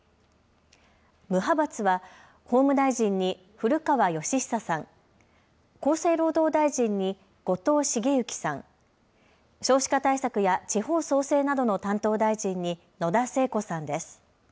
無派閥は法務大臣に古川禎久さん、厚生労働大臣に後藤茂之さん、少子化対策や地方創生などの担当大臣に野田聖子さんです。